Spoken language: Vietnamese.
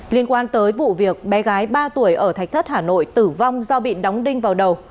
liên quan tới vụ việc bé gái ba tuổi ở thạch thất hà nội tử vong do bị đóng đinh vào đầu